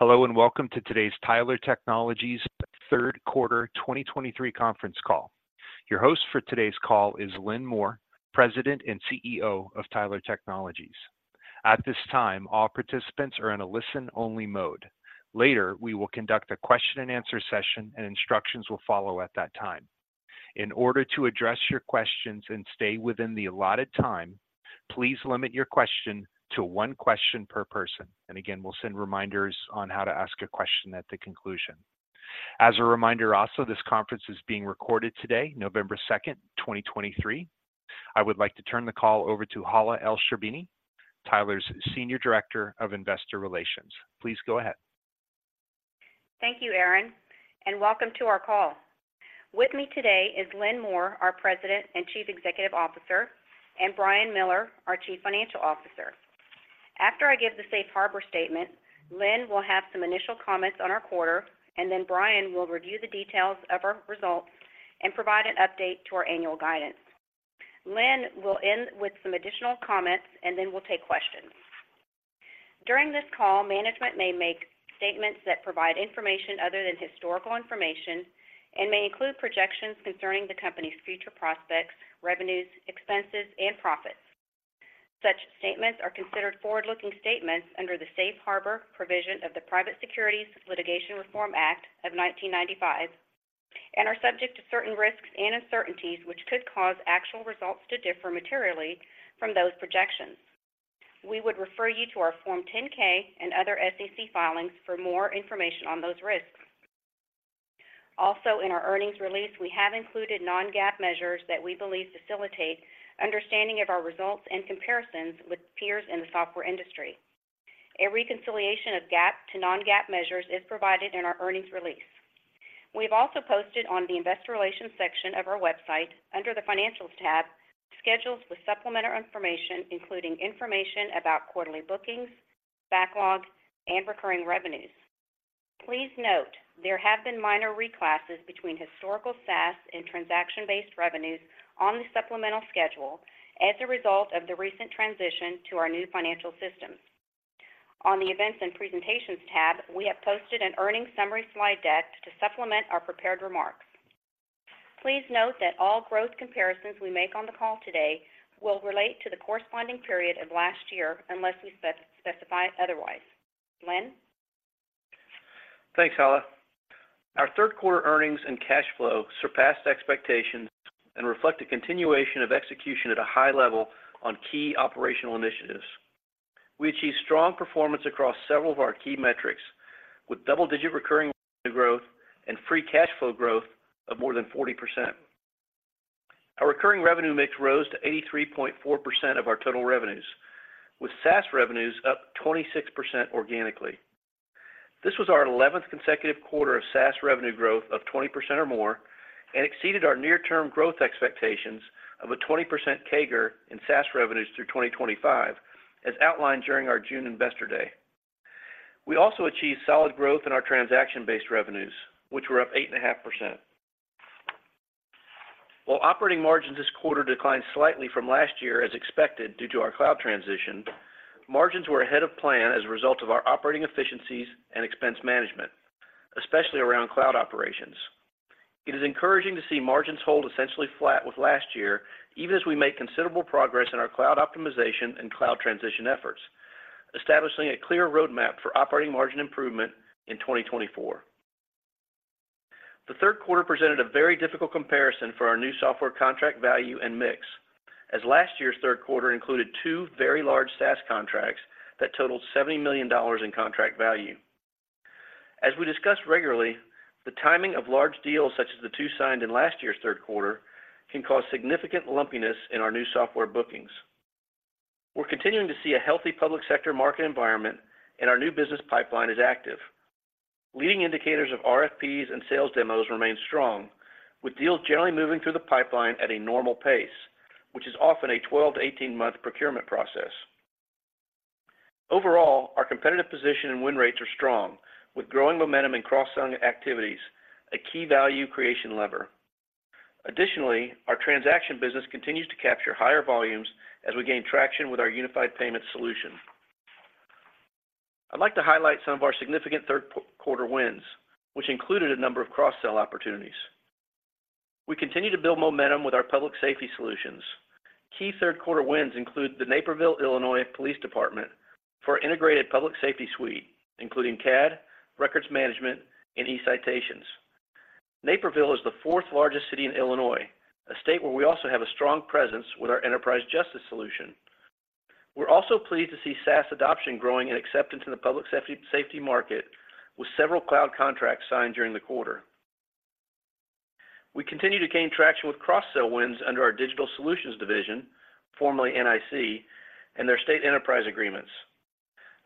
Hello, and welcome to today's Tyler Technologies Third Quarter 2023 Conference Call. Your host for today's call is Lynn Moore, President and CEO of Tyler Technologies. At this time, all participants are in a listen-only mode. Later, we will conduct a question-and-answer session, and instructions will follow at that time. In order to address your questions and stay within the allotted time, please limit your question to one question per person. Again, we'll send reminders on how to ask a question at the conclusion. As a reminder also, this conference is being recorded today, November 2nd, 2023. I would like to turn the call over to Hala Elsherbini, Tyler's Senior Director of Investor Relations. Please go ahead. Thank you, Aaron, and welcome to our call. With me today is Lynn Moore, our President and Chief Executive Officer, and Brian Miller, our Chief Financial Officer. After I give the safe harbor statement, Lynn will have some initial comments on our quarter, and then Brian will review the details of our results and provide an update to our annual guidance. Lynn will end with some additional comments, and then we'll take questions. During this call, management may make statements that provide information other than historical information and may include projections concerning the company's future prospects, revenues, expenses, and profits. Such statements are considered forward-looking statements under the Safe Harbor provision of the Private Securities Litigation Reform Act of 1995 and are subject to certain risks and uncertainties, which could cause actual results to differ materially from those projections. We would refer you to our Form 10-K and other SEC filings for more information on those risks. Also, in our earnings release, we have included non-GAAP measures that we believe facilitate understanding of our results and comparisons with peers in the software industry. A reconciliation of GAAP to non-GAAP measures is provided in our earnings release. We've also posted on the investor relations section of our website, under the Financial tab, schedules with supplemental information, including information about quarterly bookings, backlog, and recurring revenues. Please note, there have been minor reclasses between historical SaaS and transaction-based revenues on the supplemental schedule as a result of the recent transition to our new financial systems. On the Events and Presentations tab, we have posted an earnings summary slide deck to supplement our prepared remarks. Please note that all growth comparisons we make on the call today will relate to the corresponding period of last year unless we specify otherwise. Lynn? Thanks, Hala. Our third quarter earnings and cash flow surpassed expectations and reflect a continuation of execution at a high level on key operational initiatives. We achieved strong performance across several of our key metrics, with double-digit recurring revenue growth and free cash flow growth of more than 40%. Our recurring revenue mix rose to 83.4% of our total revenues, with SaaS revenues up 26% organically. This was our 11th consecutive quarter of SaaS revenue growth of 20% or more and exceeded our near-term growth expectations of a 20% CAGR in SaaS revenues through 2025, as outlined during our June Investor Day. We also achieved solid growth in our transaction-based revenues, which were up 8.5%. While operating margins this quarter declined slightly from last year as expected due to our cloud transition, margins were ahead of plan as a result of our operating efficiencies and expense management, especially around cloud operations. It is encouraging to see margins hold essentially flat with last year, even as we make considerable progress in our cloud optimization and cloud transition efforts, establishing a clear roadmap for operating margin improvement in 2024. The third quarter presented a very difficult comparison for our new software contract value and mix, as last year's third quarter included two very large SaaS contracts that totaled $70 million in contract value. As we discuss regularly, the timing of large deals, such as the two signed in last year's third quarter, can cause significant lumpiness in our new software bookings. We're continuing to see a healthy public sector market environment, and our new business pipeline is active. Leading indicators of RFPs and sales demos remain strong, with deals generally moving through the pipeline at a normal pace, which is often a 12 to 18 month procurement process. Overall, our competitive position and win rates are strong, with growing momentum in cross-sell activities, a key value creation lever. Additionally, our transaction business continues to capture higher volumes as we gain traction with our unified payment solution. I'd like to highlight some of our significant third quarter wins, which included a number of cross-sell opportunities. We continue to build momentum with our Public Safety solutions. Key third quarter wins include the Naperville, Illinois Police Department for integrated Public Safety suite, including CAD, records management, and e-citations. Naperville is the fourth largest city in Illinois, a state where we also have a strong presence with our Enterprise Justice solution. We're also pleased to see SaaS adoption growing and acceptance in the Public Safety, safety market, with several cloud contracts signed during the quarter. We continue to gain traction with cross-sell wins under our Digital Solutions division, formerly NIC, and their state enterprise agreements.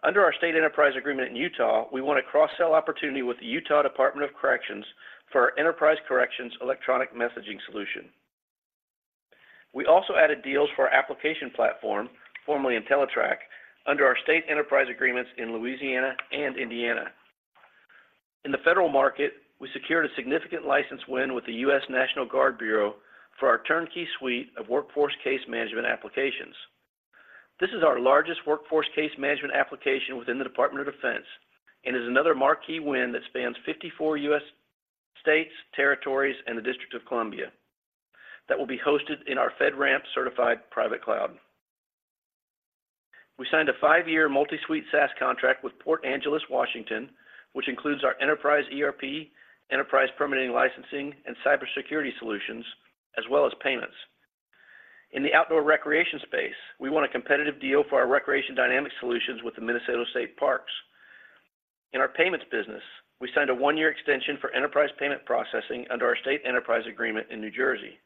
Under our state enterprise agreement in Utah, we won a cross-sell opportunity with the Utah Department of Corrections for our Enterprise Corrections electronic messaging solution. We also added deals for our Application Platform, formerly Entellitrak, under our state enterprise agreements in Louisiana and Indiana. In the federal market, we secured a significant license win with the U.S. National Guard Bureau for our turnkey suite of workforce case management applications. This is our largest workforce case management application within the Department of Defense, and is another marquee win that spans 54 U.S. states, territories, and the District of Columbia, that will be hosted in our FedRAMP-certified private cloud. We signed a five year multi-suite SaaS contract with Port Angeles, Washington, which includes our Enterprise ERP, Enterprise Permitting, Licensing, and Cybersecurity Solutions, as well as Payments. In the outdoor recreation space, we won a competitive deal for our Recreation Dynamics solutions with the Minnesota State Parks. In our payments business, we signed a one year extension for enterprise payment processing under our state enterprise agreement in New Jersey.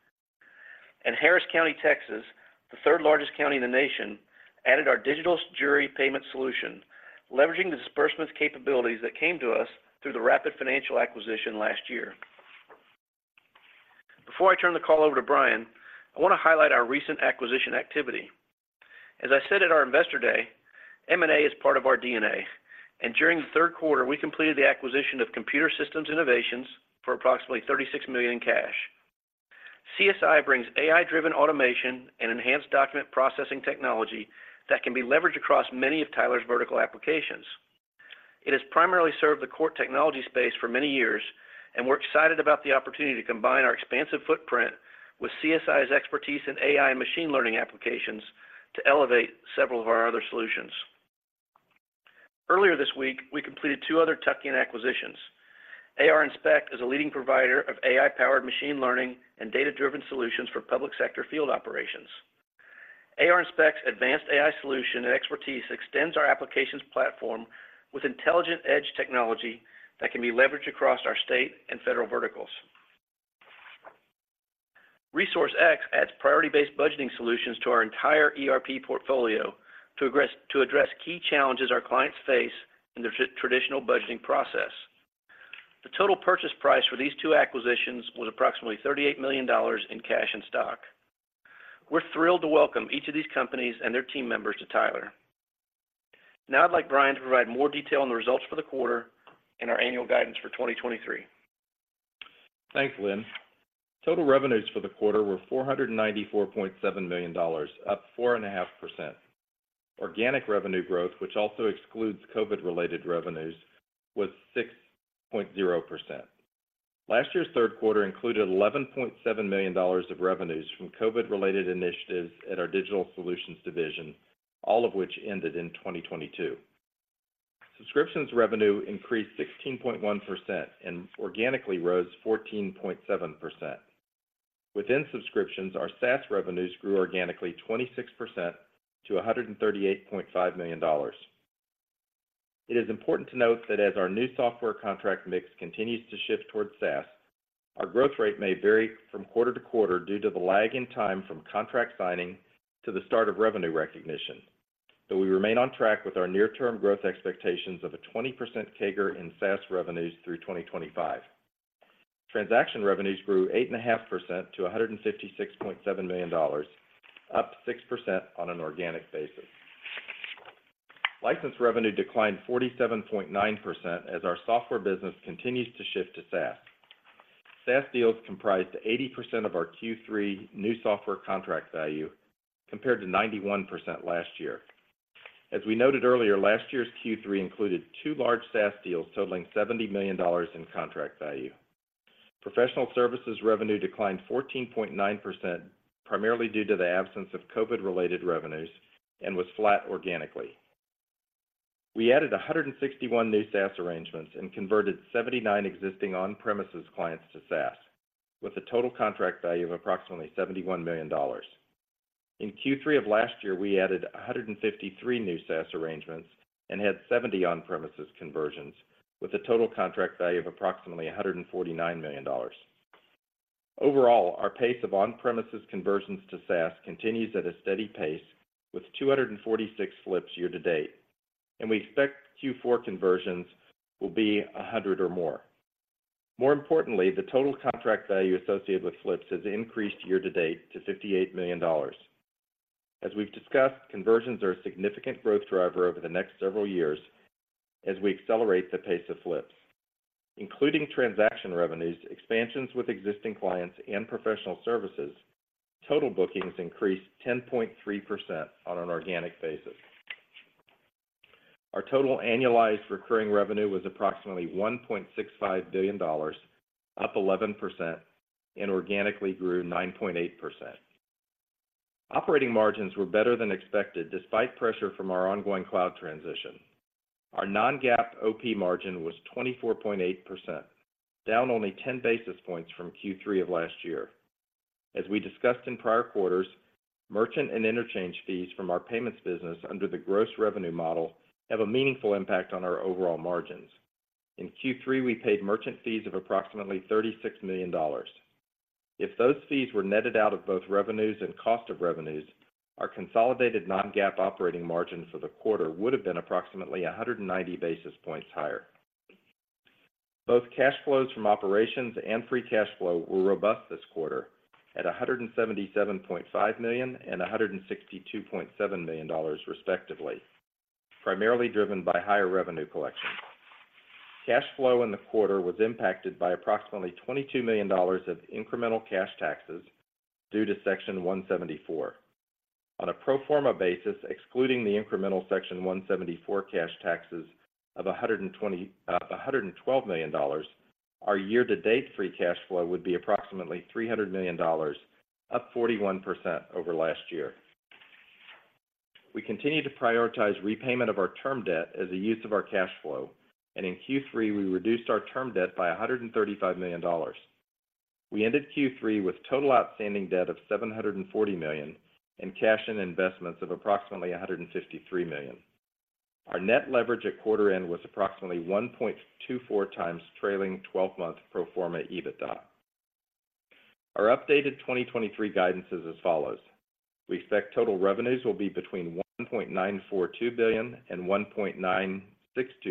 Harris County, Texas, the third-largest county in the nation, added our digital jury payment solution, leveraging the disbursements capabilities that came to us through the Rapid Financial acquisition last year. Before I turn the call over to Brian, I want to highlight our recent acquisition activity. As I said at our Investor Day, M&A is part of our DNA, and during the third quarter, we completed the acquisition of Computing System Innovations for approximately $36 million in cash. CSI brings AI-driven automation and enhanced document processing technology that can be leveraged across many of Tyler's vertical applications. It has primarily served the core technology space for many years, and we're excited about the opportunity to combine our expansive footprint with CSI's expertise in AI and machine learning applications to elevate several of our other solutions. Earlier this week, we completed two other tuck-in acquisitions. ARInspect is a leading provider of AI-powered machine learning and data-driven solutions for public sector field operations. ARInspect's advanced AI solution and expertise extends our applications platform with intelligent edge technology that can be leveraged across our state and federal verticals. ResourceX adds priority-based budgeting solutions to our entire ERP portfolio to address key challenges our clients face in their traditional budgeting process. The total purchase price for these two acquisitions was approximately $38 million in cash and stock. We're thrilled to welcome each of these companies and their team members to Tyler. Now, I'd like Brian to provide more detail on the results for the quarter and our annual guidance for 2023. Thanks, Lynn. Total revenues for the quarter were $494.7 million, up 4.5%. Organic revenue growth, which also excludes COVID-related revenues, was 6.0%. Last year's third quarter included $11.7 million of revenues from COVID-related initiatives at our Digital Solutions division, all of which ended in 2022. Subscriptions revenue increased 16.1% and organically rose 14.7%. Within subscriptions, our SaaS revenues grew organically 26% to $138.5 million. It is important to note that as our new software contract mix continues to shift towards SaaS, our growth rate may vary from quarter-to-quarter due to the lag in time from contract signing to the start of revenue recognition. But we remain on track with our near-term growth expectations of a 20% CAGR in SaaS revenues through 2025. Transaction revenues grew 8.5% to $156.7 million, up 6% on an organic basis. License revenue declined 47.9% as our software business continues to shift to SaaS. SaaS deals comprised 80% of our Q3 new software contract value, compared to 91% last year. As we noted earlier, last year's Q3 included two large SaaS deals totaling $70 million in contract value. Professional services revenue declined 14.9%, primarily due to the absence of COVID-related revenues, and was flat organically. We added 161 new SaaS arrangements and converted 79 existing on-premises clients to SaaS, with a total contract value of approximately $71 million. In Q3 of last year, we added 153 new SaaS arrangements and had 70 on-premises conversions, with a total contract value of approximately $149 million. Overall, our pace of on-premises conversions to SaaS continues at a steady pace, with 246 flips year to date, and we expect Q4 conversions will be 100 or more. More importantly, the total contract value associated with flips has increased year to date to $58 million. As we've discussed, conversions are a significant growth driver over the next several years as we accelerate the pace of flips. Including transaction revenues, expansions with existing clients, and professional services, total bookings increased 10.3% on an organic basis. Our total annualized recurring revenue was approximately $1.65 billion, up 11%, and organically grew 9.8%. Operating margins were better than expected, despite pressure from our ongoing cloud transition. Our non-GAAP OP margin was 24.8%, down only 10 basis points from Q3 of last year. As we discussed in prior quarters, merchant and interchange fees from our payments business under the gross revenue model have a meaningful impact on our overall margins. In Q3, we paid merchant fees of approximately $36 million. If those fees were netted out of both revenues and cost of revenues, our consolidated non-GAAP operating margin for the quarter would have been approximately 190 basis points higher. Both cash flows from operations and free cash flow were robust this quarter, at $177.5 million and $162.7 million, respectively, primarily driven by higher revenue collection. Cash flow in the quarter was impacted by approximately $22 million of incremental cash taxes due to Section 174. On a pro forma basis, excluding the incremental Section 174 cash taxes of $112 million, our year-to-date free cash flow would be approximately $300 million, up 41% over last year. We continue to prioritize repayment of our term debt as a use of our cash flow, and in Q3, we reduced our term debt by $135 million. We ended Q3 with total outstanding debt of $740 million, and cash and investments of approximately $153 million. Our net leverage at quarter end was approximately 1.24x trailing 12 month pro forma EBITDA. Our updated 2023 guidance is as follows: We expect total revenues will be between $1.942 billion and $1.962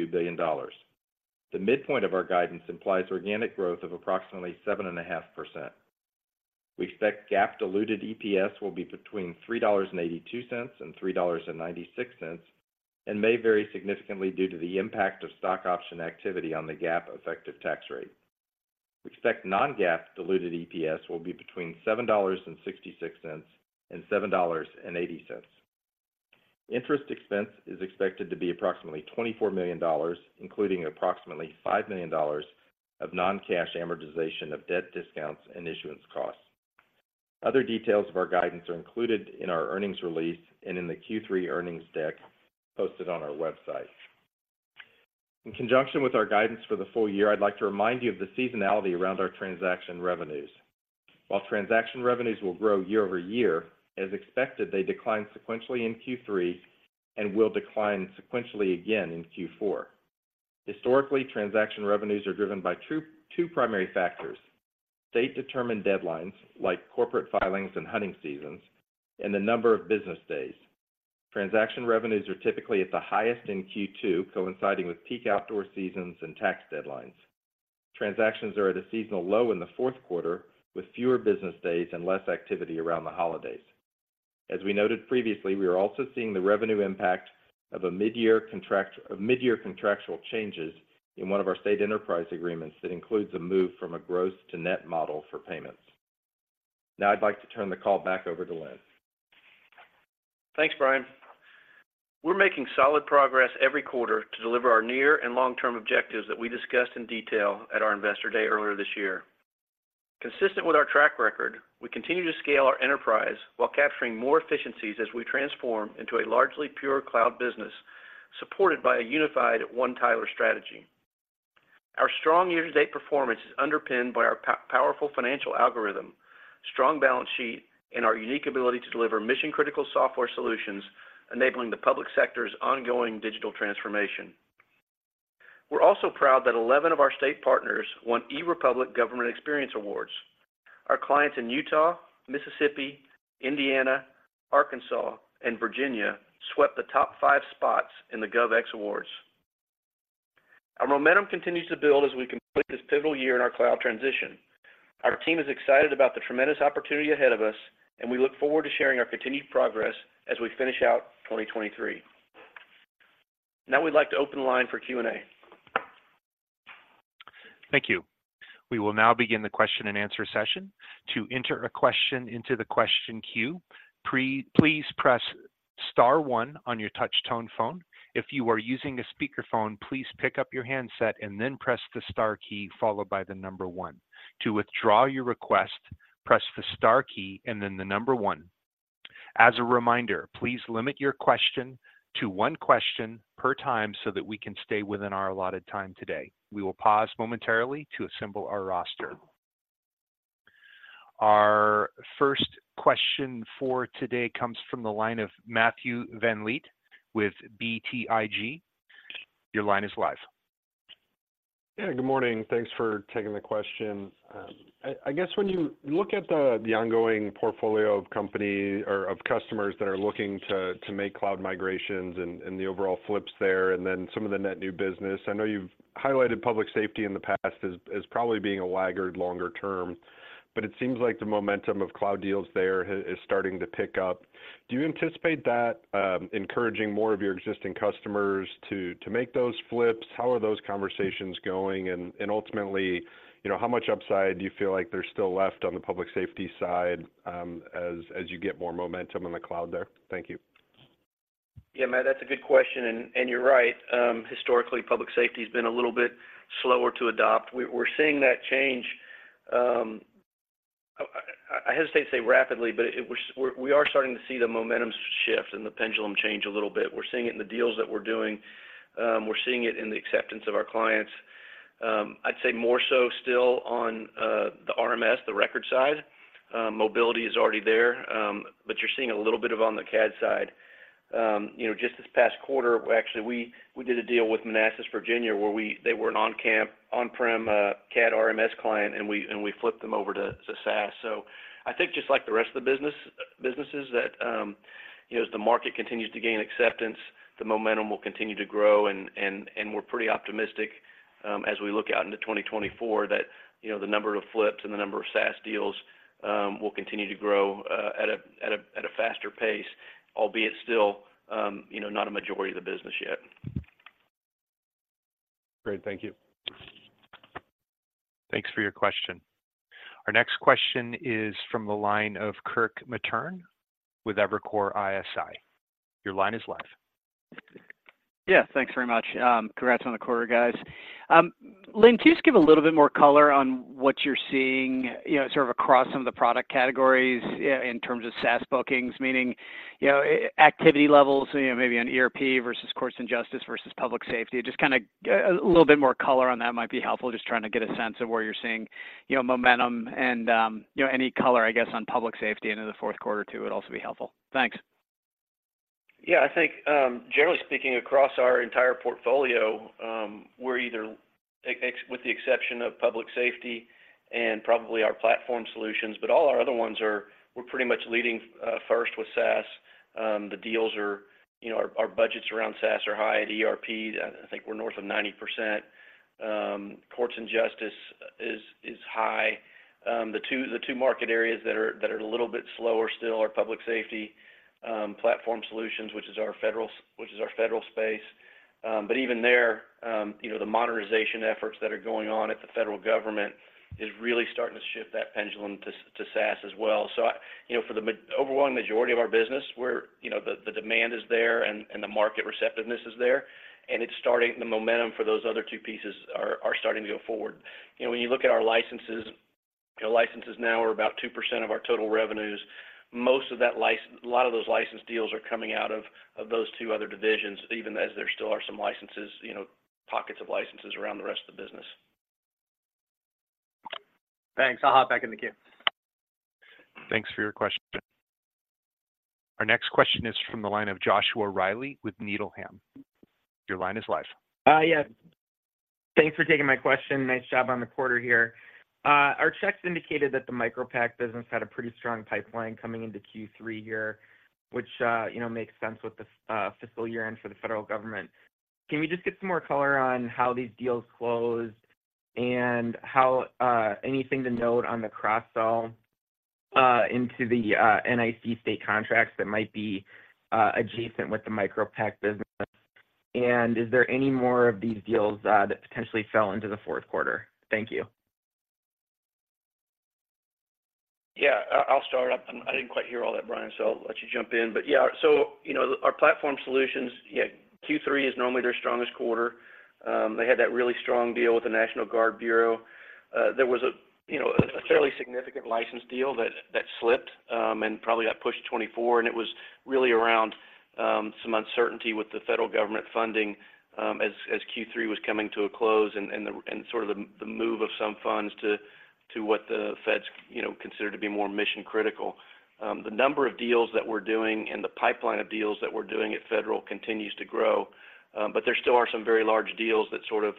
billion. The midpoint of our guidance implies organic growth of approximately 7.5%. We expect GAAP diluted EPS will be between $3.82 and $3.96, and may vary significantly due to the impact of stock option activity on the GAAP effective tax rate. We expect non-GAAP diluted EPS will be between $7.66 and $7.80. Interest expense is expected to be approximately $24 million, including approximately $5 million of non-cash amortization of debt discounts and issuance costs. Other details of our guidance are included in our earnings release and in the Q3 earnings deck posted on our website. In conjunction with our guidance for the full year, I'd like to remind you of the seasonality around our transaction revenues. While transaction revenues will grow year over year, as expected, they declined sequentially in Q3 and will decline sequentially again in Q4. Historically, transaction revenues are driven by two primary factors: state-determined deadlines, like corporate filings and hunting seasons, and the number of business days. Transaction revenues are typically at the highest in Q2, coinciding with peak outdoor seasons and tax deadlines. Transactions are at a seasonal low in the fourth quarter, with fewer business days and less activity around the holidays. As we noted previously, we are also seeing the revenue impact of mid-year contractual changes in one of our state enterprise agreements that includes a move from a gross to net model for payments. Now I'd like to turn the call back over to Lynn. Thanks, Brian. We're making solid progress every quarter to deliver our near- and long-term objectives that we discussed in detail at our Investor Day earlier this year. Consistent with our track record, we continue to scale our enterprise while capturing more efficiencies as we transform into a largely pure cloud business, supported by a unified One Tyler strategy. Our strong year-to-date performance is underpinned by our powerful financial algorithm, strong balance sheet, and our unique ability to deliver mission-critical software solutions, enabling the public sector's ongoing digital transformation. We're also proud that 11 of our state partners won e.Republic Government Experience Awards. Our clients in Utah, Mississippi, Indiana, Arkansas, and Virginia swept the top five spots in the GovX Awards. Our momentum continues to build as we complete this pivotal year in our cloud transition. Our team is excited about the tremendous opportunity ahead of us, and we look forward to sharing our continued progress as we finish out 2023. Now we'd like to open the line for Q&A. Thank you. We will now begin the question-and-answer session. To enter a question into the question queue, please press star one on your touch-tone phone. If you are using a speakerphone, please pick up your handset and then press the star key, followed by the number one. To withdraw your request, press the star key and then the number one. As a reminder, please limit your question to one question per time so that we can stay within our allotted time today. We will pause momentarily to assemble our roster. Our first question for today comes from the line of Matthew VanVliet with BTIG. Your line is live. Yeah, good morning. Thanks for taking the question. I guess when you look at the ongoing portfolio of company or of customers that are looking to make cloud migrations and the overall flips there, and then some of the net new business, I know you've highlighted Public Safety in the past as probably being a laggard longer term, but it seems like the momentum of cloud deals there is starting to pick up. Do you anticipate that encouraging more of your existing customers to make those flips? How are those conversations going? And ultimately, you know, how much upside do you feel like there's still left on the Public Safety side, as you get more momentum in the cloud there? Thank you. Yeah, Matt, that's a good question, and you're right. Historically, Public Safety has been a little bit slower to adopt. We're seeing that change. I hesitate to say rapidly, but we're starting to see the momentum shift and the pendulum change a little bit. We're seeing it in the deals that we're doing. We're seeing it in the acceptance of our clients. I'd say more so still on the RMS, the record side. Mobility is already there, but you're seeing a little bit on the CAD side. You know, just this past quarter, actually, we did a deal with Manassas, Virginia, where they were an on-prem CAD RMS client, and we flipped them over to SaaS. I think just like the rest of the business, businesses that, you know, as the market continues to gain acceptance, the momentum will continue to grow, and we're pretty optimistic, as we look out into 2024, that, you know, the number of flips and the number of SaaS deals, will continue to grow, at a faster pace, albeit still, you know, not a majority of the business yet. Great. Thank you. Thanks for your question. Our next question is from the line of Kirk Materne with Evercore ISI. Your line is live. Yeah, thanks very much. Congrats on the quarter, guys. Lynn, can you just give a little bit more color on what you're seeing, you know, sort of across some of the product categories in terms of SaaS bookings? Meaning, you know, activity levels, you know, maybe on ERP versus Courts & Justice versus Public Safety. Just kind of a little bit more color on that might be helpful. Just trying to get a sense of where you're seeing, you know, momentum and, you know, any color, I guess, on Public Safety into the fourth quarter too, would also be helpful. Thanks. Yeah, I think, generally speaking, across our entire portfolio, we're either with the exception of Public Safety and probably our Platform solutions, but all our other ones are, we're pretty much leading first with SaaS. The deals are, you know, our budgets around SaaS are high at ERP. I think we're north of 90%. Courts & Justice is high. The two market areas that are a little bit slower still are Public Safety, Platform solutions, which is our federal space. But even there, you know, the modernization efforts that are going on at the federal government is really starting to shift that pendulum to SaaS as well. So I... You know, for the overwhelming majority of our business, we're, you know, the demand is there and the market receptiveness is there, and it's starting, the momentum for those other two pieces are starting to go forward. You know, when you look at our licenses, our licenses now are about 2% of our total revenues. Most of that license, a lot of those license deals are coming out of those two other divisions, even as there still are some licenses, you know, pockets of licenses around the rest of the business. Thanks. I'll hop back in the queue. Thanks for your question. Our next question is from the line of Joshua Reilly with Needham. Your line is live. Yeah. Thanks for taking my question. Nice job on the quarter here. Our checks indicated that the MicroPact business had a pretty strong pipeline coming into Q3 here, which, you know, makes sense with the fiscal year-end for the federal government. Can we just get some more color on how these deals closed, and how, anything to note on the cross-sell into the NIC state contracts that might be adjacent with the MicroPact business? And is there any more of these deals that potentially fell into the fourth quarter? Thank you. Yeah, I'll start. I didn't quite hear all that, Brian, so I'll let you jump in. But yeah, so you know, our Platform Solutions, yeah, Q3 is normally their strongest quarter. They had that really strong deal with the National Guard Bureau. There was a, you know, a fairly significant license deal that slipped, and probably got pushed to 2024, and it was really around some uncertainty with the federal government funding, as Q3 was coming to a close, and the sort of the move of some funds to what the feds, you know, consider to be more mission-critical. The number of deals that we're doing and the pipeline of deals that we're doing at federal continues to grow, but there still are some very large deals that sort of,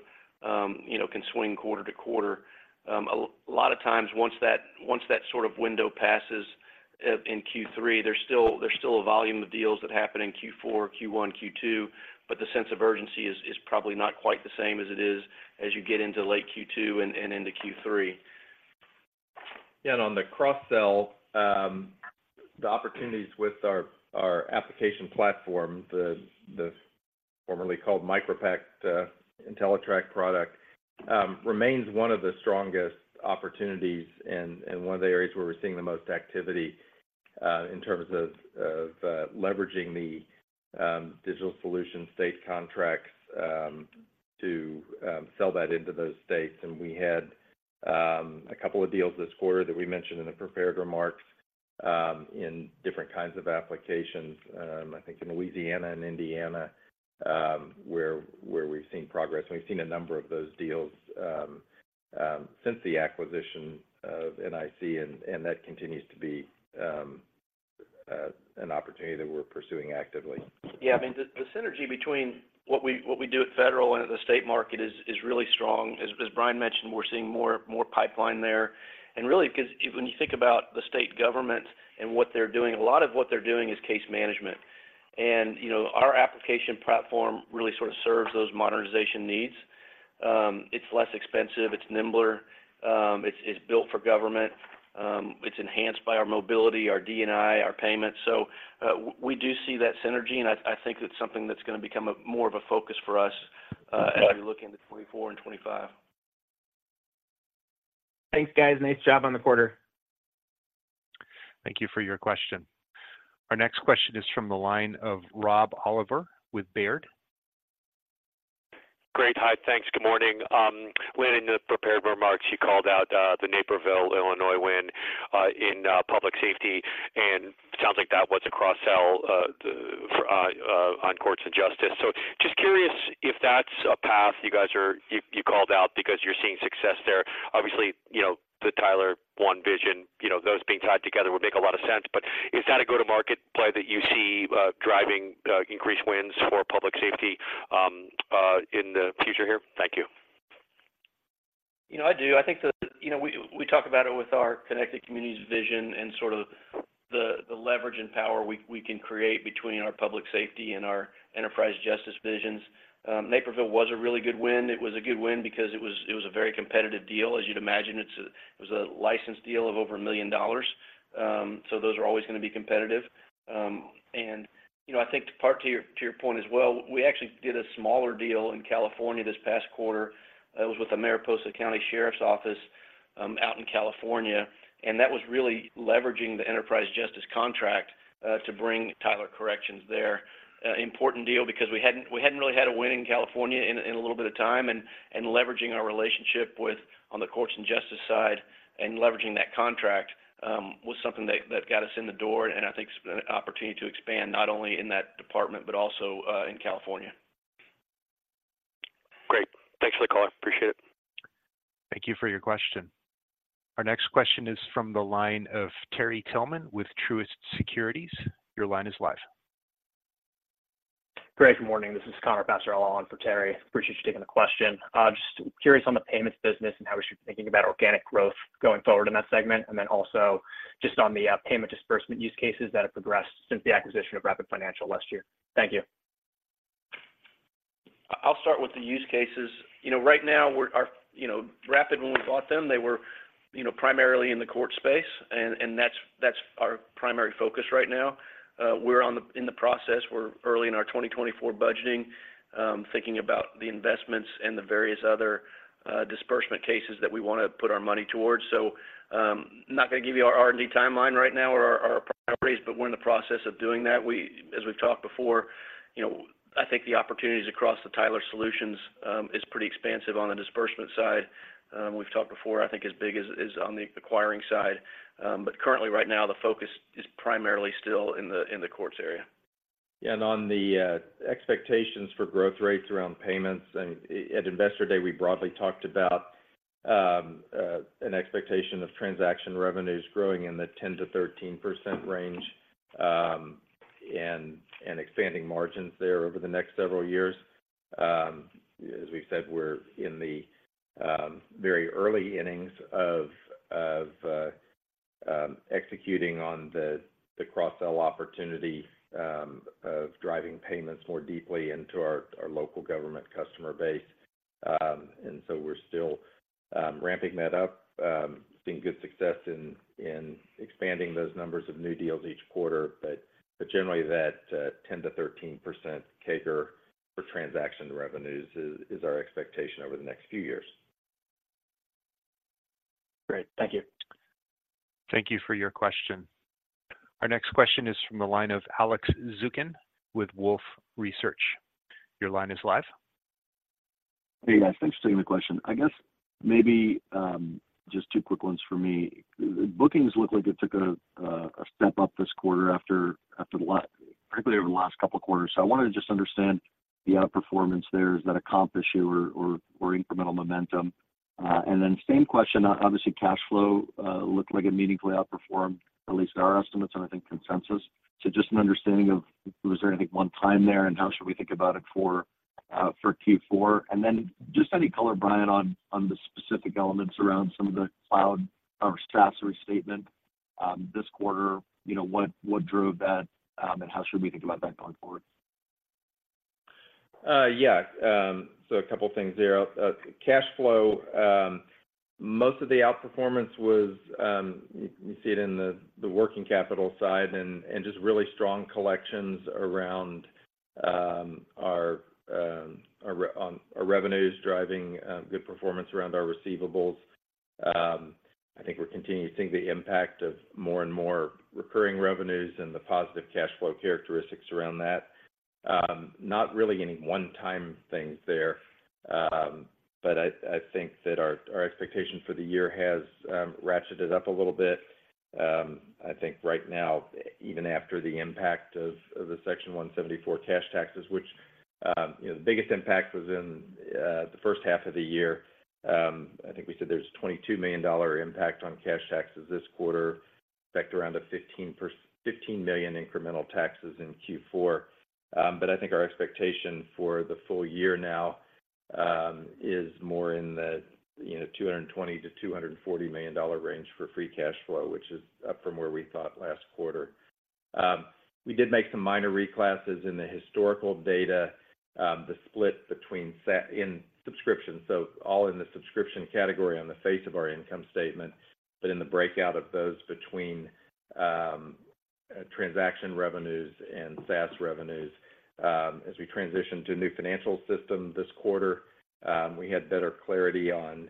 you know, can swing quarter-to-quarter. A lot of times once that, once that sort of window passes, in Q3, there's still, there's still a volume of deals that happen in Q4, Q1, Q2, but the sense of urgency is, is probably not quite the same as it is as you get into late Q2 and, and into Q3. Yeah, and on the cross-sell, the opportunities with our, our Application Platform, the, the formerly called MicroPact, Entellitrak product, remains one of the strongest opportunities and, and one of the areas where we're seeing the most activity, in terms of, of, leveraging the, digital solution state contracts, to, sell that into those states. And we had, a couple of deals this quarter that we mentioned in the prepared remarks, in different kinds of applications, I think in Louisiana and Indiana, where, where we've seen progress. And we've seen a number of those deals, since the acquisition of NIC, and, and that continues to be, an opportunity that we're pursuing actively. Yeah, I mean, the synergy between what we do at federal and at the state market is really strong. As Brian mentioned, we're seeing more pipeline there. And really, because when you think about the state government and what they're doing, a lot of what they're doing is case management. And, you know, our Application Platform really sort of serves those modernization needs. It's less expensive, it's nimbler, it's built for government, it's enhanced by our mobility, our D&I, our payments. So, we do see that synergy, and I think it's something that's gonna become more of a focus for us, as we look into 2024 and 2025. Thanks, guys. Nice job on the quarter. Thank you for your question. Our next question is from the line of Rob Oliver with Baird. Great. Hi, thanks. Good morning. Lynn, in the prepared remarks, you called out the Naperville, Illinois, win in Public Safety, and sounds like that was a cross-sell on Courts & Justice. So just curious if that's a path you guys are... You called out because you're seeing success there. Obviously, you know, the Tyler One Vision, you know, those being tied together would make a lot of sense, but is that a go-to-market play that you see driving increased wins for Public Safety in the future here? Thank you. You know, I do. I think that, you know, we, we talk about it with our Connected Communities vision and sort of the, the leverage and power we, we can create between our Public Safety and our Enterprise Justice visions. Naperville was a really good win. It was a good win because it was, it was a very competitive deal. As you'd imagine, it's a-- it was a license deal of over $1 million. So those are always gonna be competitive. And, you know, I think to part to your, to your point as well, we actually did a smaller deal in California this past quarter. It was with the Mariposa County Sheriff's Office, out in California, and that was really leveraging the Enterprise Justice contract, to bring Tyler corrections there. Important deal because we hadn't really had a win in California in a little bit of time, and leveraging our relationship with, on the Courts & Justice side and leveraging that contract, was something that got us in the door, and I think it's an opportunity to expand not only in that department, but also in California. Great. Thanks for the call. Appreciate it. Thank you for your question. Our next question is from the line of Terry Tillman with Truist Securities. Your line is live. Great. Good morning. This is Connor Passarella on for Terry. Appreciate you taking the question. Just curious on the payments business and how we should be thinking about organic growth going forward in that segment, and then also just on the payment disbursement use cases that have progressed since the acquisition of Rapid Financial last year. Thank you. I'll start with the use cases. You know, right now, we're our, you know, Rapid when we bought them, they were, you know, primarily in the court space, and, and that's, that's our primary focus right now. We're in the process. We're early in our 2024 budgeting, thinking about the investments and the various other disbursement cases that we want to put our money towards. So, not gonna give you our R&D timeline right now or our, our priorities, but we're in the process of doing that. As we've talked before, you know, I think the opportunities across the Tyler Solutions is pretty expansive on the disbursement side. We've talked before, I think, as big as, as on the acquiring side. But currently, right now, the focus is primarily still in the, in the courts area. Yeah, and on the expectations for growth rates around payments, and at Investor Day, we broadly talked about an expectation of transaction revenues growing in the 10%-13% range, and expanding margins there over the next several years. As we've said, we're in the very early innings of executing on the cross-sell opportunity of driving payments more deeply into our local government customer base. And so we're still ramping that up. Seeing good success in expanding those numbers of new deals each quarter, but generally, that 10%-13% CAGR for transaction revenues is our expectation over the next few years. Great. Thank you. Thank you for your question. Our next question is from the line of Alex Zukin with Wolfe Research. Your line is live. Hey, guys. Thanks for taking the question. I guess maybe just two quick ones for me. Bookings look like it took a step up this quarter after particularly over the last couple of quarters. So I wanted to just understand the outperformance there. Is that a comp issue or incremental momentum? And then same question, obviously, cash flow looked like it meaningfully outperformed at least our estimates and I think consensus. So just an understanding of, was there anything one time there, and how should we think about it for Q4? And then just any color, Brian, on the specific elements around some of the cloud or SaaS restatement this quarter. You know, what drove that, and how should we think about that going forward? Yeah. So a couple of things there. Cash flow, most of the outperformance was, you see it in the working capital side and just really strong collections around our revenues, driving good performance around our receivables. I think we're continuing to see the impact of more and more recurring revenues and the positive cash flow characteristics around that. Not really any one-time things there, but I think that our expectation for the year has ratcheted up a little bit. I think right now, even after the impact of, of the Section 174 cash taxes, which, you know, the biggest impact was in, the first half of the year, I think we said there's $22 million impact on cash taxes this quarter, affect around a $15 million incremental taxes in Q4. But I think our expectation for the full year now, is more in the, you know, $220 million-$240 million range for free cash flow, which is up from where we thought last quarter. We did make some minor reclasses in the historical data, the split between SaaS in subscription, so all in the subscription category on the face of our income statement, but in the breakout of those between, transaction revenues and SaaS revenues. As we transitioned to a new financial system this quarter, we had better clarity on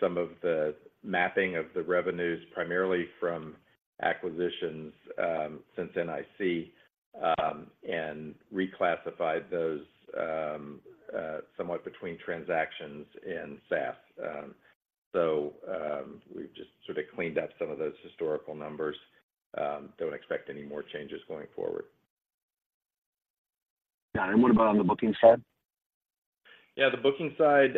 some of the mapping of the revenues, primarily from acquisitions, since NIC, and reclassified those somewhat between transactions and SaaS. So, we've just sort of cleaned up some of those historical numbers. Don't expect any more changes going forward. Got it. What about on the booking side? Yeah, the booking side,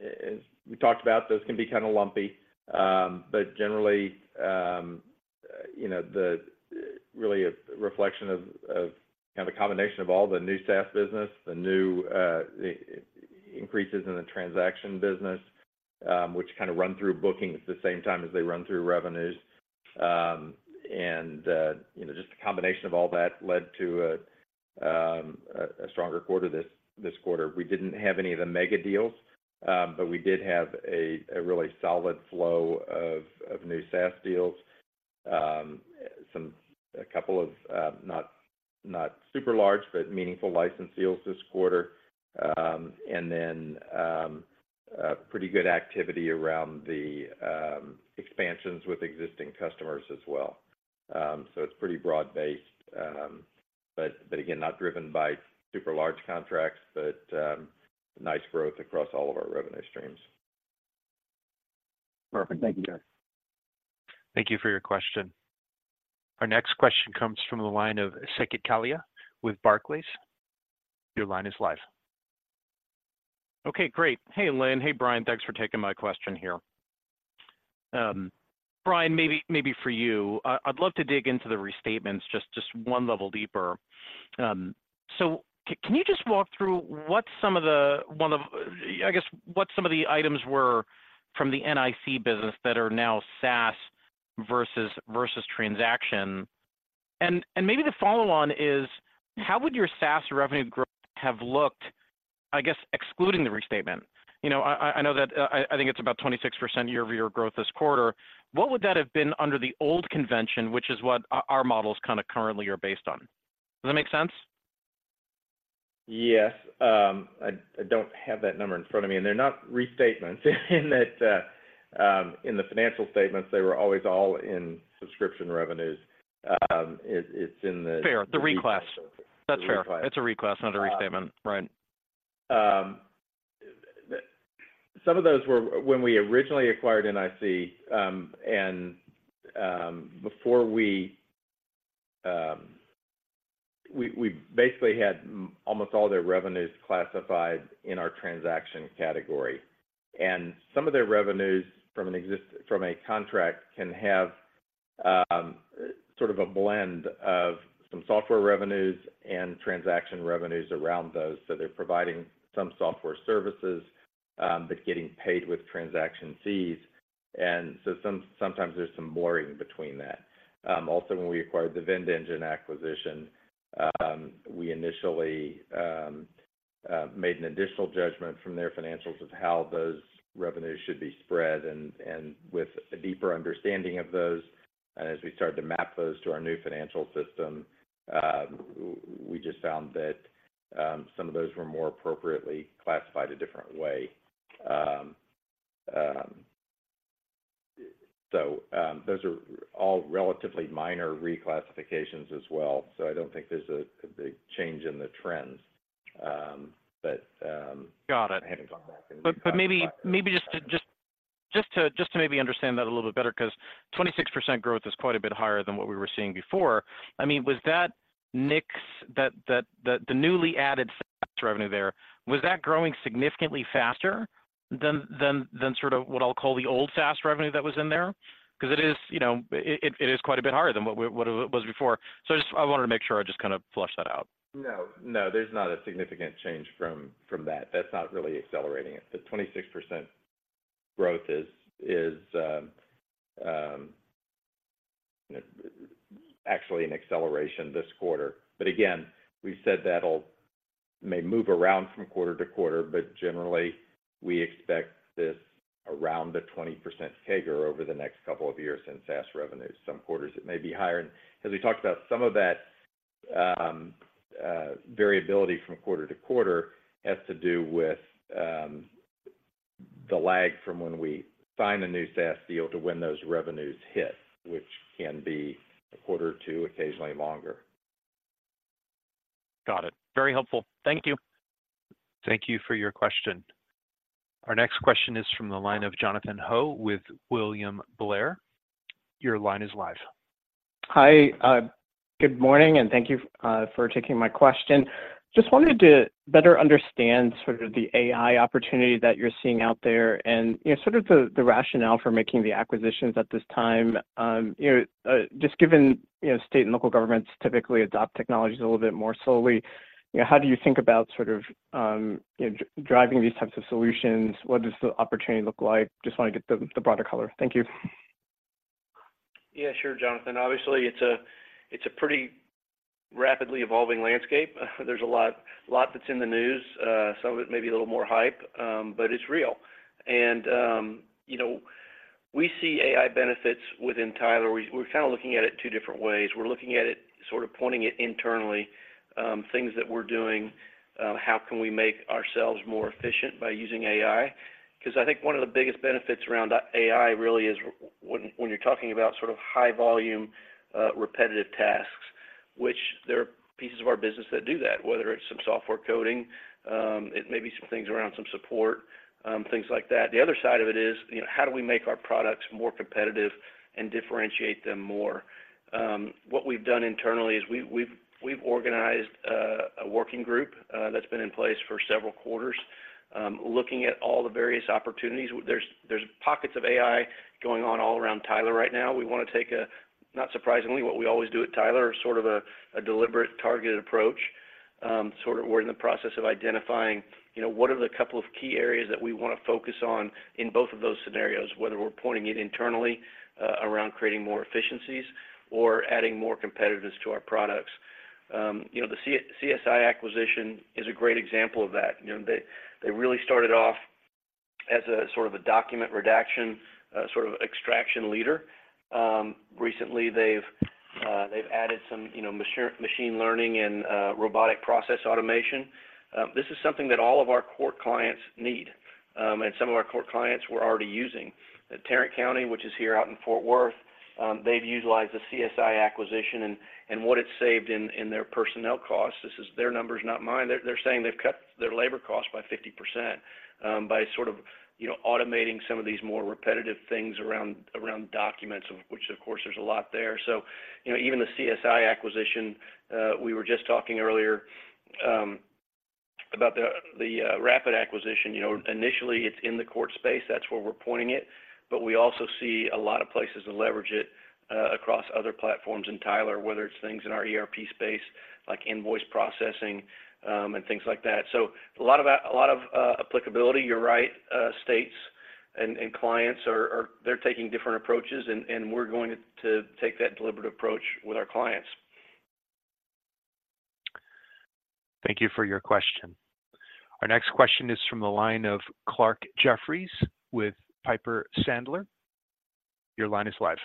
as we talked about, those can be kind of lumpy. But generally, you know, really a reflection of kind of a combination of all the new SaaS business, the new increases in the transaction business, which kind of run through bookings at the same time as they run through revenues. And, you know, just a combination of all that led to a stronger quarter this quarter. We didn't have any of the mega deals, but we did have a really solid flow of new SaaS deals. Some, a couple of, not super large, but meaningful license deals this quarter. And then, a pretty good activity around the expansions with existing customers as well. So it's pretty broad-based, but again, not driven by super large contracts, but nice growth across all of our revenue streams. Perfect. Thank you, guys. Thank you for your question. Our next question comes from the line of Saket Kalia with Barclays. Your line is live. Okay, great. Hey, Lynn. Hey, Brian. Thanks for taking my question here. Brian, maybe for you, I'd love to dig into the restatements just one level deeper. So can you just walk through what some of the items were from the NIC business that are now SaaS versus transaction? And maybe the follow on is, how would your SaaS revenue growth have looked, I guess, excluding the restatement? You know, I know that I think it's about 26% year-over-year growth this quarter. What would that have been under the old convention, which is what our models kind of currently are based on? Does that make sense? Yes. I don't have that number in front of me, and they're not restatements. In the financial statements, they were always all in subscription revenues. It's in the- Fair, the reclass. The reclass. That's fair. It's a reclass, not a restatement, right? Some of those were when we originally acquired NIC, and before we, we basically had almost all their revenues classified in our transaction category. And some of their revenues from a contract can have sort of a blend of some software revenues and transaction revenues around those. So they're providing some software services, but getting paid with transaction fees, and so sometimes there's some blurring between that. Also, when we acquired the VendEngine acquisition, we initially made an additional judgment from their financials of how those revenues should be spread. And with a deeper understanding of those, and as we started to map those to our new financial system, we just found that some of those were more appropriately classified a different way. So, those are all relatively minor reclassifications as well, so I don't think there's a big change in the trends. But, Got it. I have to go back and- But maybe just to understand that a little bit better, 'cause 26% growth is quite a bit higher than what we were seeing before. I mean, was that NIC's... the newly added SaaS revenue there growing significantly faster than sort of what I'll call the old SaaS revenue that was in there? 'Cause it is, you know, it is quite a bit higher than what it was before. So I just wanted to make sure I just kind of fleshed that out. No, there's not a significant change from that. That's not really accelerating it. The 26% growth is actually an acceleration this quarter. But again, we said that'll may move around from quarter-to-quarter, but generally, we expect this around a 20% CAGR over the next couple of years in SaaS revenues. Some quarters, it may be higher. And as we talked about, some of that variability from quarter-to-quarter has to do with the lag from when we sign a new SaaS deal to when those revenues hit, which can be a quarter or two, occasionally longer. Got it. Very helpful. Thank you. Thank you for your question. Our next question is from the line of Jonathan Ho with William Blair. Your line is live. Hi. Good morning, and thank you for taking my question. Just wanted to better understand sort of the AI opportunity that you're seeing out there and, you know, sort of the rationale for making the acquisitions at this time. You know, just given, you know, state and local governments typically adopt technologies a little bit more slowly, you know, how do you think about sort of, you know, driving these types of solutions? What does the opportunity look like? Just want to get the broader color. Thank you. Yeah, sure, Jonathan. Obviously, it's a, it's a pretty rapidly evolving landscape. There's a lot, a lot that's in the news, some of it may be a little more hype, but it's real. And, you know, we see AI benefits within Tyler. We, we're kind of looking at it two different ways. We're looking at it, sort of pointing it internally, things that we're doing, how can we make ourselves more efficient by using AI? 'Cause I think one of the biggest benefits around AI really is when, when you're talking about sort of high volume, repetitive tasks, which there are pieces of our business that do that, whether it's some software coding, it may be some things around some support, things like that. The other side of it is, you know, how do we make our products more competitive and differentiate them more? What we've done internally is we've organized a working group that's been in place for several quarters, looking at all the various opportunities. There's pockets of AI going on all around Tyler right now. We wanna take a, not surprisingly, what we always do at Tyler, sort of a deliberate, targeted approach. We're in the process of identifying, you know, what are the couple of key areas that we wanna focus on in both of those scenarios, whether we're pointing it internally around creating more efficiencies or adding more competitors to our products. You know, the CSI acquisition is a great example of that. You know, they really started off as a sort of a document redaction, sort of extraction leader. Recently, they've added some, you know, machine learning and robotic process automation. This is something that all of our core clients need, and some of our core clients were already using. The Tarrant County, which is here out in Fort Worth, they've utilized the CSI acquisition and what it's saved in their personnel costs, this is their numbers, not mine. They're saying they've cut their labor costs by 50%, by sort of, you know, automating some of these more repetitive things around documents, of which of course, there's a lot there. So, you know, even the CSI acquisition, we were just talking earlier, about the rapid acquisition. You know, initially, it's in the court space, that's where we're pointing it, but we also see a lot of places to leverage it across other platforms in Tyler, whether it's things in our ERP space, like invoice processing, and things like that. So a lot of applicability, you're right, states and clients are taking different approaches, and we're going to take that deliberate approach with our clients. Thank you for your question. Our next question is from the line of Clarke Jeffries with Piper Sandler. Your line is live.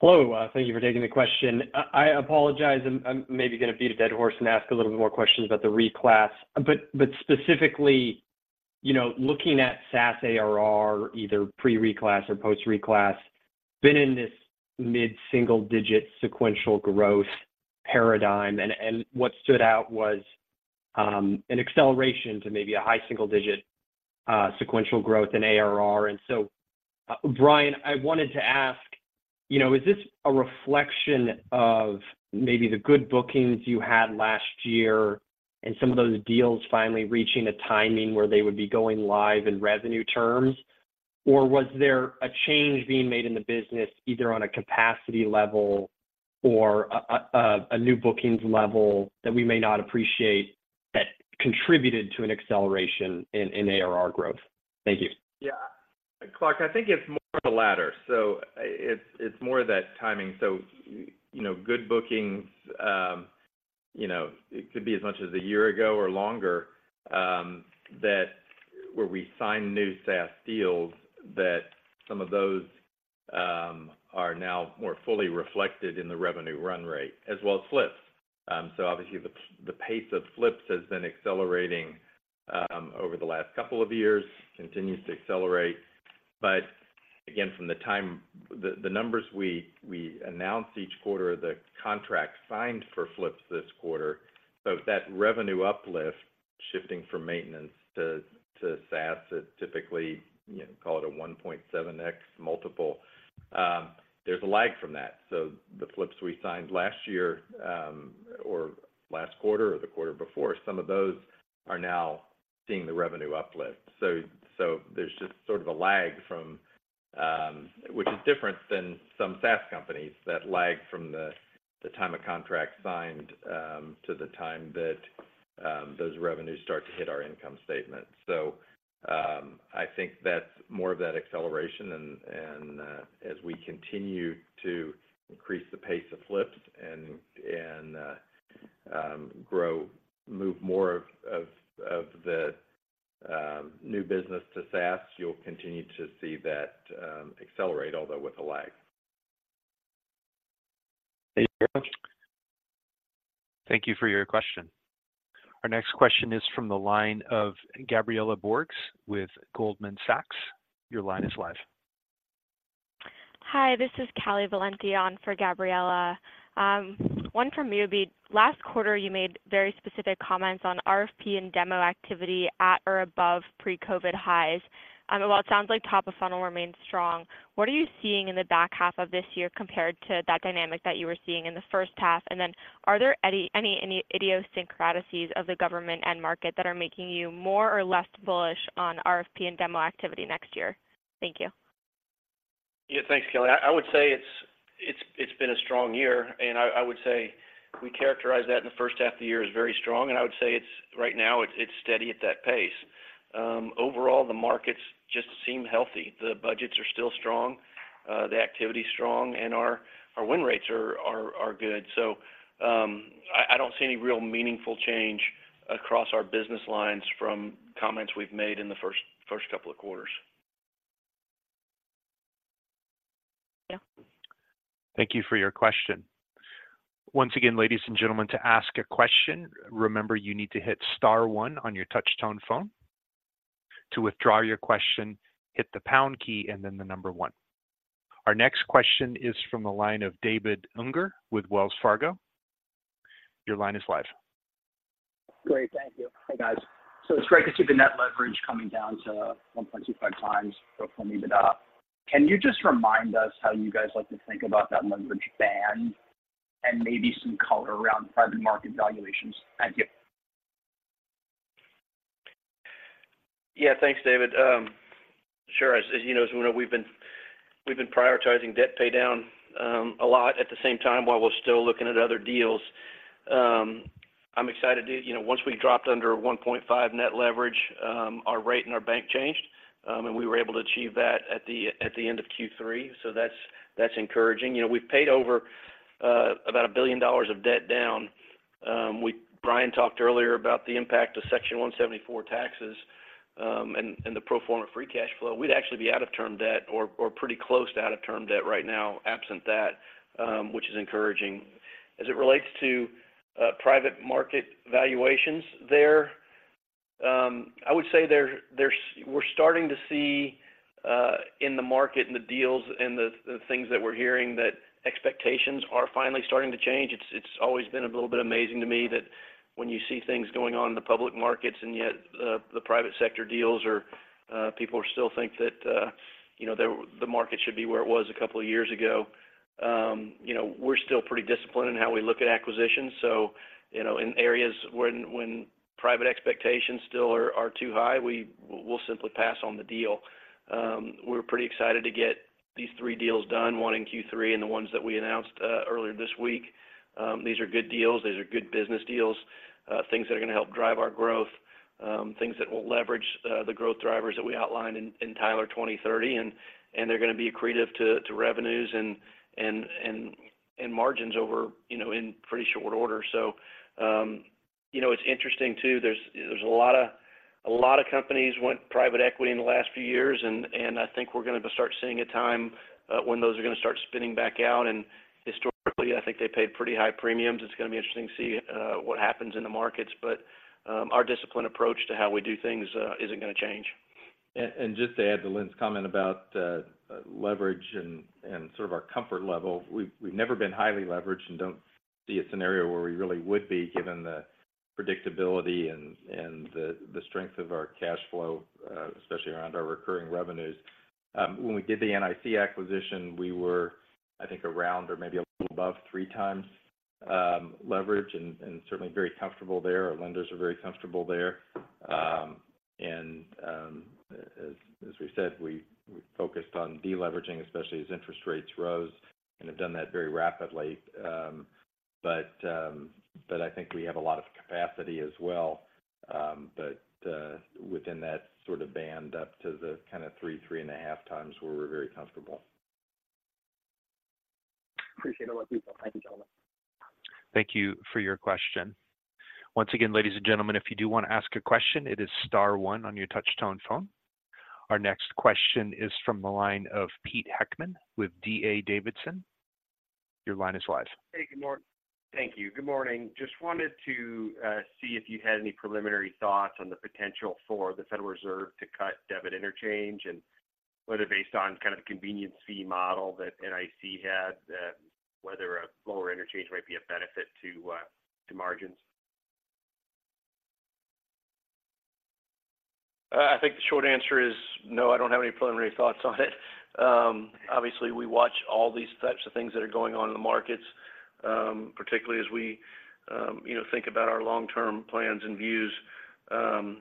Hello, thank you for taking the question. I apologize, I'm maybe gonna beat a dead horse and ask a little bit more questions about the reclass. But specifically, you know, looking at SaaS ARR, either pre-reclass or post-reclass, been in this mid-single digit sequential growth paradigm, and what stood out was an acceleration to maybe a high single digit sequential growth in ARR. And so, Brian, I wanted to ask, you know, is this a reflection of maybe the good bookings you had last year and some of those deals finally reaching a timing where they would be going live in revenue terms? Or was there a change being made in the business, either on a capacity level or a new bookings level that we may not appreciate, that contributed to an acceleration in ARR growth? Thank you. Yeah. Clarke, I think it's more of the latter, so it's, it's more of that timing. So, you know, good bookings, you know, it could be as much as a year ago or longer, that where we signed new SaaS deals, that some of those, are now more fully reflected in the revenue run rate, as well as flips. So obviously, the pace of flips has been accelerating over the last couple of years, continues to accelerate. But again, from the time the numbers we announce each quarter, the contract signed for flips this quarter. So that revenue uplift, shifting from maintenance to SaaS, it typically, you know, call it a 1.7x multiple, there's a lag from that. So the flips we signed last year, or last quarter or the quarter before, some of those are now seeing the revenue uplift. So, so there's just sort of a lag from, which is different than some SaaS companies, that lag from the time a contract signed, to the time that those revenues start to hit our income statement. So, I think that's more of that acceleration and, and as we continue to increase the pace of flips and, and grow, move more of the new business to SaaS, you'll continue to see that accelerate, although with a lag. Thank you. Thank you for your question. Our next question is from the line of Gabriela Borges, with Goldman Sachs. Your line is live. Hi, this is Callie Valenti on for Gabriela. One from you, last quarter, you made very specific comments on RFP and demo activity at or above pre-COVID highs. Well, it sounds like top of funnel remains strong. What are you seeing in the back half of this year compared to that dynamic that you were seeing in the first half? And then are there any idiosyncrasies of the government and market that are making you more or less bullish on RFP and demo activity next year? Thank you. Yeah, thanks, Callie. I would say it's been a strong year, and I would say we characterize that in the first half of the year as very strong, and I would say it's right now, it's steady at that pace. Overall, the markets just seem healthy. The budgets are still strong, the activity is strong, and our win rates are good. So, I don't see any real meaningful change across our business lines from comments we've made in the first couple of quarters. Yeah. Thank you for your question. Once again, ladies and gentlemen, to ask a question, remember, you need to hit star one on your touch tone phone. To withdraw your question, hit the pound key and then the number one. Our next question is from the line of David Unger with Wells Fargo. Your line is live. Great. Thank you. Hi, guys. It's great to see the net leverage down to 1.25x pro forma EBITDA. Can you just remind us how you guys like to think about that leverage band and maybe some color around private market valuations? Thank you. Yeah, thanks, David. Sure. As you know, as we know, we've been prioritizing debt pay down a lot at the same time, while we're still looking at other deals. I'm excited to, you know, once we dropped under 1.5 net leverage, our rate and our bank changed, and we were able to achieve that at the end of Q3. So that's encouraging. You know, we've paid over about $1 billion of debt down. We Brian talked earlier about the impact of Section 174 taxes, and the pro forma free cash flow. We'd actually be out of term debt or pretty close to out of term debt right now, absent that, which is encouraging. As it relates to private market valuations there, I would say that we're starting to see in the market and the deals and the things that we're hearing that expectations are finally starting to change. It's always been a little bit amazing to me that when you see things going on in the public markets, and yet the private sector deals are people still think that you know the market should be where it was a couple of years ago. You know, we're still pretty disciplined in how we look at acquisitions. So, you know, in areas when private expectations still are too high, we'll simply pass on the deal. We're pretty excited to get these three deals done, one in Q3, and the ones that we announced earlier this week. These are good deals. These are good business deals, things that are gonna help drive our growth, things that will leverage the growth drivers that we outlined in Tyler 2030, and they're gonna be accretive to revenues and margins over, you know, in pretty short order. So, you know, it's interesting, too. There's a lot of companies went private equity in the last few years, and I think we're gonna start seeing a time when those are gonna start spinning back out, and historically, I think they paid pretty high premiums. It's gonna be interesting to see what happens in the markets, but our disciplined approach to how we do things isn't gonna change. And just to add to Lynn's comment about leverage and sort of our comfort level, we've never been highly leveraged and don't see a scenario where we really would be, given the predictability and the strength of our cash flow, especially around our recurring revenues. When we did the NIC acquisition, we were, I think, around or maybe a little above 3x leverage, and certainly very comfortable there. Our lenders are very comfortable there. And as we said, we focused on deleveraging, especially as interest rates rose, and have done that very rapidly. But I think we have a lot of capacity as well, but within that sort of band up to the kind of 3x-3.5x, where we're very comfortable. Appreciate all that detail. Thank you, gentlemen. Thank you for your question. Once again, ladies and gentlemen, if you do want to ask a question, it is star one on your touch-tone phone. Our next question is from the line of Pete Heckmann with D.A. Davidson. Your line is live. Hey, good morning. Thank you. Good morning. Just wanted to see if you had any preliminary thoughts on the potential for the Federal Reserve to cut debit interchange, and whether based on kind of the convenience fee model that NIC had, whether a lower interchange might be a benefit to to margins? I think the short answer is no, I don't have any preliminary thoughts on it. Obviously, we watch all these types of things that are going on in the markets, particularly as we, you know, think about our long-term plans and views. I'm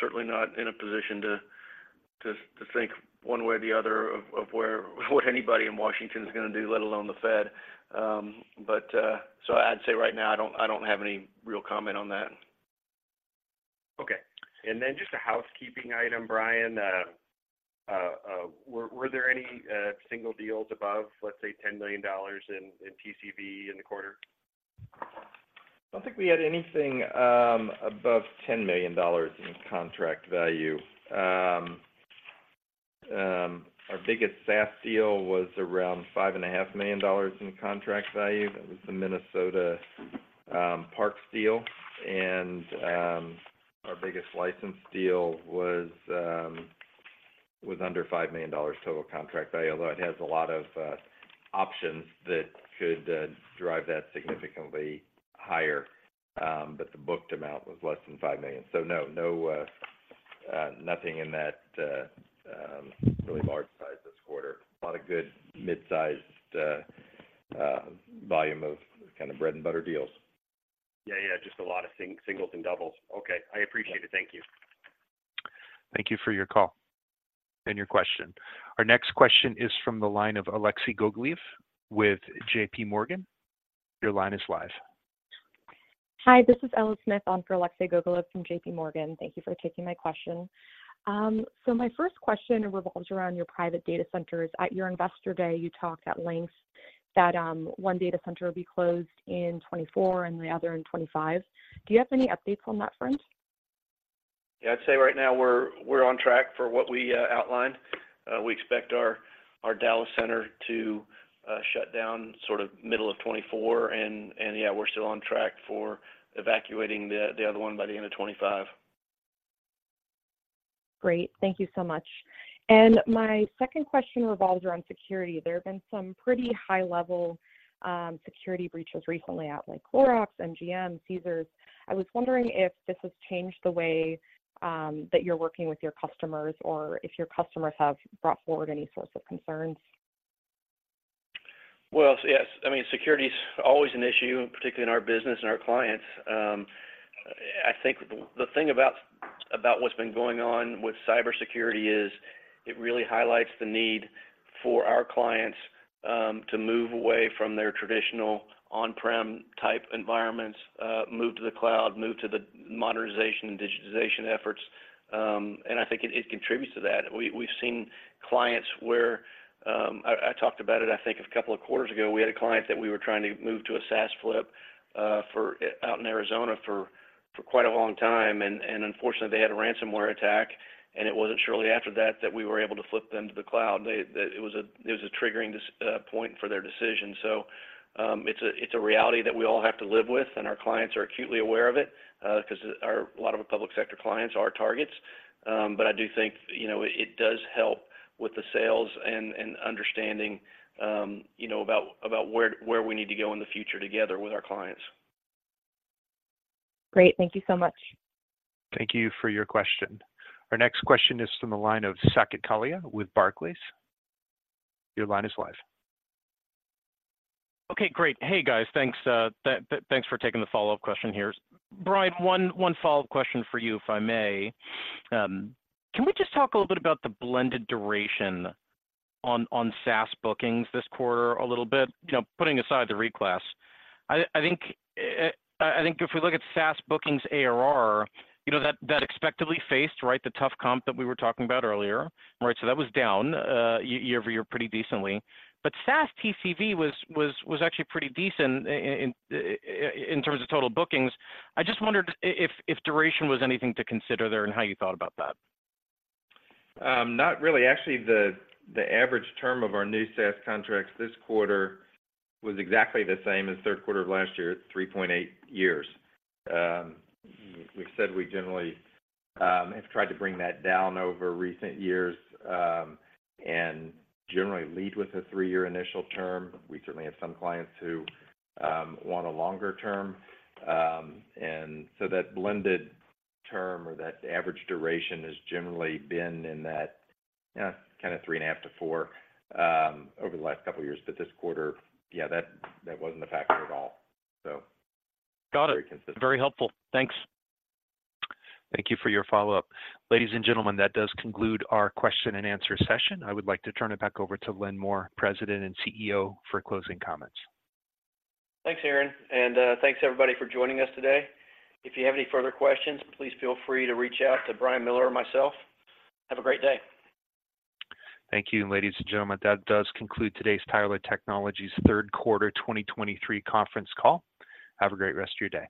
certainly not in a position to think one way or the other of where, what anybody in Washington is gonna do, let alone the Fed. But, so I'd say right now, I don't have any real comment on that. Okay. And then just a housekeeping item, Brian. Were there any single deals above, let's say, $10 million in TCV in the quarter? I don't think we had anything above $10 million in contract value. Our biggest SaaS deal was around $5.5 million in contract value. That was the Minnesota Parks deal, and our biggest license deal was under $5 million total contract value, although it has a lot of options that could drive that significantly higher. But the booked amount was less than $5 million. So no, nothing in that really large size this quarter. A lot of good mid-sized volume of kind of bread-and-butter deals. Yeah, yeah, just a lot of singles and doubles. Okay, I appreciate it. Thank you. Thank you for your call and your question. Our next question is from the line of Alexei Gogolev with JPMorgan. Your line is live. Hi, this is Ella Smith on for Alexei Gogolev from JPMorgan. Thank you for taking my question. My first question revolves around your private data centers. At your Investor Day, you talked at length that, one data center will be closed in 2024 and the other in 2025. Do you have any updates on that front? Yeah, I'd say right now we're on track for what we outlined. We expect our Dallas center to shut down sort of middle of 2024, and yeah, we're still on track for evacuating the other one by the end of 2025. Great. Thank you so much.... My second question revolves around security. There have been some pretty high-level, security breaches recently at like Clorox, MGM, Caesars. I was wondering if this has changed the way, that you're working with your customers or if your customers have brought forward any sorts of concerns? Well, yes. I mean, security is always an issue, particularly in our business and our clients. I think the thing about what's been going on with cybersecurity is it really highlights the need for our clients to move away from their traditional on-prem type environments, move to the cloud, move to the modernization and digitization efforts, and I think it contributes to that. We've seen clients where I talked about it, I think a couple of quarters ago, we had a client that we were trying to move to a SaaS flip out in Arizona for quite a long time, and unfortunately, they had a ransomware attack, and it wasn't shortly after that that we were able to flip them to the cloud. They. It was a triggering point for their decision. So, it's a reality that we all have to live with, and our clients are acutely aware of it, 'cause a lot of our public sector clients are targets. But I do think, you know, it does help with the sales and understanding, you know, about where we need to go in the future together with our clients. Great. Thank you so much. Thank you for your question. Our next question is from the line of Saket Kalia with Barclays. Your line is live. Okay, great. Hey, guys. Thanks, thanks for taking the follow-up question here. Brian, one follow-up question for you, if I may. Can we just talk a little bit about the blended duration on SaaS bookings this quarter a little bit? You know, putting aside the reclass. I think if we look at SaaS bookings ARR, you know, that expectedly faced, right, the tough comp that we were talking about earlier, right? So that was down year-over-year, pretty decently. But SaaS TCV was actually pretty decent in terms of total bookings. I just wondered if duration was anything to consider there and how you thought about that. Not really. Actually, the average term of our new SaaS contracts this quarter was exactly the same as third quarter of last year, 3.8 years. We've said we generally have tried to bring that down over recent years and generally lead with a three year initial term. We certainly have some clients who want a longer term. And so that blended term or that average duration has generally been in that kind of 3.5-4 years over the last couple of years. But this quarter, yeah, that wasn't a factor at all, so- Got it. Very consistent. Very helpful. Thanks. Thank you for your follow-up. Ladies and gentlemen, that does conclude our question and answer session. I would like to turn it back over to Lynn Moore, President and CEO, for closing comments. Thanks, Aaron, and thanks everybody for joining us today. If you have any further questions, please feel free to reach out to Brian Miller or myself. Have a great day. Thank you. Ladies and gentlemen, that does conclude today's Tyler Technologies third quarter 2023 conference call. Have a great rest of your day.